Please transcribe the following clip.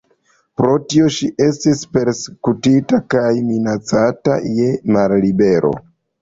Pro tio ŝi estis persekutata kaj minacata je mallibero.